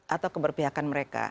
atau keberpihakan mereka